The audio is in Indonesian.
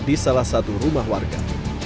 di salah satu rumah warga